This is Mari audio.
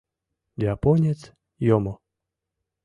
Японец йомо.